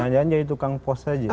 jangan jangan jadi tukang pos saja